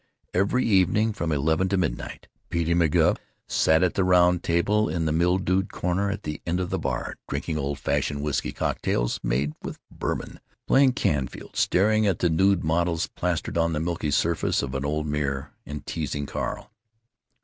Every evening from eleven to midnight Petey McGuff sat at the round table in the mildewed corner at the end of the bar, drinking old fashioned whisky cocktails made with Bourbon, playing Canfield, staring at the nude models pasted on the milky surface of an old mirror, and teasing Carl.